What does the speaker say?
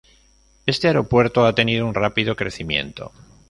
Este aeropuerto ha tenido un rápido crecimiento.